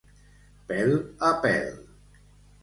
Pèl a pèl.